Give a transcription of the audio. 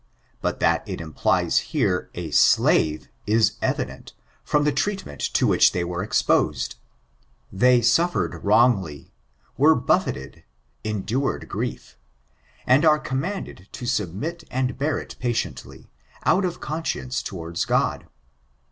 But that it implies here, a slave, is evident, from the treatment to which they were exposed — "they suffered wrongfully" — "were buffeted" — "endured grief," and are commanded to submit and bear it patiently, out of con science towards God.